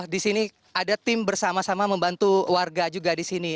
di sini ada tim bersama sama membantu warga juga di sini